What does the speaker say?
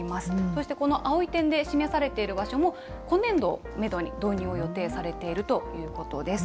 そしてこの青い点で示されている場所も、今年度をメドに導入を予定されているということです。